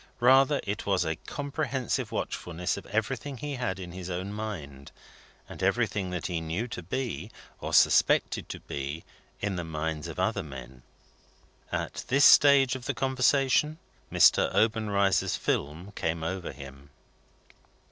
Rather, it was a comprehensive watchfulness of everything he had in his own mind, and everything that he knew to be, or suspected to be, in the minds of other men. At this stage of the conversation, Mr. Obenreizer's film came over him.